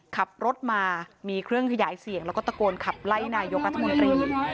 ขับรถมามีเครื่องขยายเสียงแล้วก็ตะโกนขับไล่นายกรัฐมนตรี